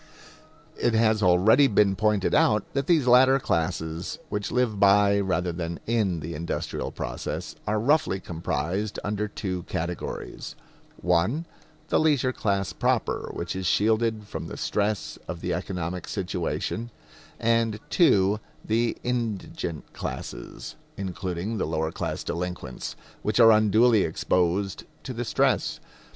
It has already been pointed out that these latter classes, which live by, rather than in, the industrial process, are roughly comprised under two categories (1) the leisure class proper, which is shielded from the stress of the economic situation; and (2) the indigent classes, including the lower class delinquents, which are unduly exposed to the stress.